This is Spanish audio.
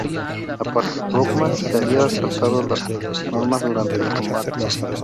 Aparte, Brockman se había saltado las normas durante el combate.